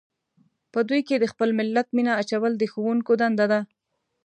په دوی کې د خپل ملت مینه اچول د ښوونکو دنده ده.